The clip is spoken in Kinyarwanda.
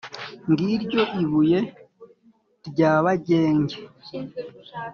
ngiryo ibuye rya bagenge